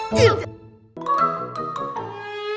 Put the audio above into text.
aduh terlalu agak